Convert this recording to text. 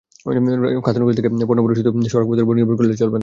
খাতুনগঞ্জ থেকে পণ্য পরিবহনে শুধু সড়কপথের ওপর নির্ভর করলে চলবে না।